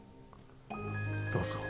どうですか？